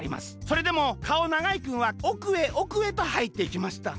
それでもかおながいくんはおくへおくへとはいっていきました。